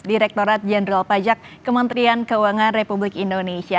direkturat jenderal pajak kementerian keuangan republik indonesia